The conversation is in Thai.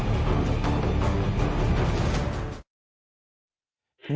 สุดท้ายภาพประสานงานกัน